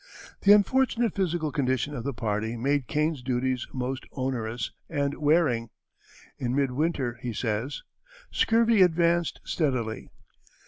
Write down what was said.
The unfortunate physical condition of the party made Kane's duties most onerous and wearing. In mid winter he says: "Scurvy advanced steadily.